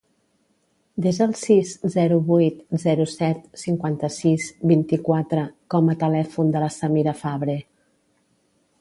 Desa el sis, zero, vuit, zero, set, cinquanta-sis, vint-i-quatre com a telèfon de la Samira Fabre.